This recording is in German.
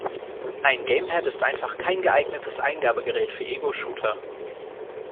Ein Gamepad ist einfach kein geeignetes Eingabegerät für Egoshooter.